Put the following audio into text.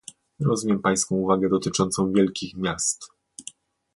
Rozumiem pańską uwagę dotyczącą wielkich miast